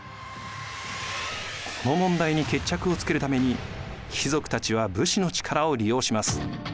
この問題に決着をつけるために貴族たちは武士の力を利用します。